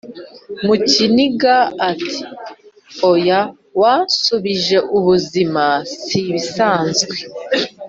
mukiniga ati"oya wansubije ubuzima sibisanzwe"